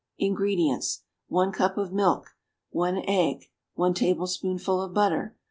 = INGREDIENTS. 1 cup of milk. 1 egg. 1 tablespoonful of butter.